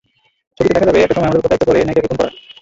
ছবিতে দেখা যাবে, একটা সময় আমার ওপর দায়িত্ব পড়ে নায়িকাকে খুন করার।